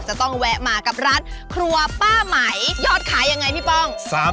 จะต้องแวะมากับร้านครัวป้าไหมยอดขายยังไงพี่ป้อง